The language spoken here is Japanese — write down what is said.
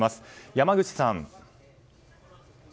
山口さん。